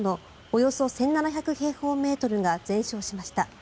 およそ１７００平方メートルが全焼しました。